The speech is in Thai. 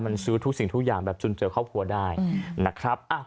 มันซื้อทุกสิ่งทุกอย่างแบบจุนเจอครอบครัวได้นะครับ